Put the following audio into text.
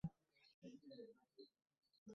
তোর চপ্পল পরা উচিত ছিল না ভাই।